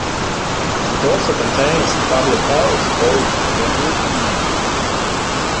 It also contains a public house called The New Inn.